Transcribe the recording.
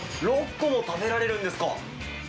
６個も食べられるんですか？